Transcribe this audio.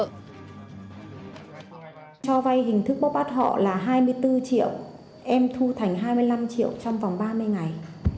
cho vay hình thức bốc bắt họ là hai mươi bốn triệu em thu thành hai mươi năm triệu trong vòng ba mươi ngày